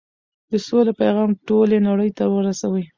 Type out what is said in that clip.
د سولې پيغام ټولې نړۍ ته ورسوئ.